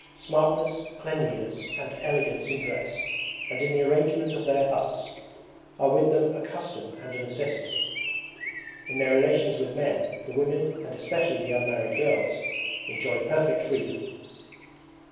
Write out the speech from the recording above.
Smartness, cleanliness and elegance in dress and in the arrangement of their huts, are with them a custom and a necessity. In their relations with men the women, and especially the unmarried girls, enjoy perfect freedom.